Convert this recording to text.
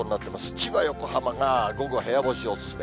千葉、横浜が午後、部屋干しお勧め。